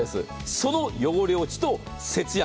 その汚れ落ちと節約。